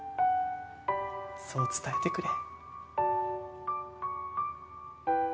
そう伝えてくれ。